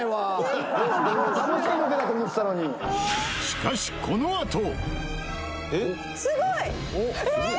しかしこのあと！